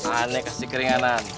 aneh kasih keringanan